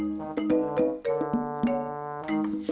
pasti ada peluang juga ya